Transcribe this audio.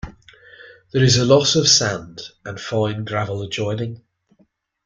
There is a lot of sand and fine gravel adjoining.